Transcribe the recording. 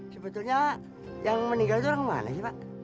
sebetulnya yang meninggal itu orang mana sih pak